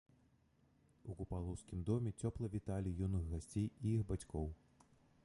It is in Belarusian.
У купалаўскім доме цёпла віталі юных гасцей і іх бацькоў.